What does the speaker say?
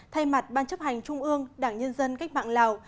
thay mặt ban chấp hành trung ương đảng nhân dân cách mạng lào